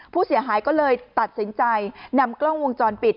ผู้เสียหายก็เลยตัดสินใจนำกล้องวงจรปิด